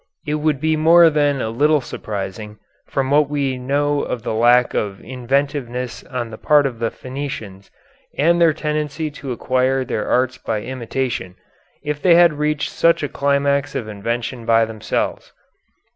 It would be more than a little surprising, from what we know of the lack of inventiveness on the part of the Phenicians and their tendency to acquire their arts by imitation, if they had reached such a climax of invention by themselves.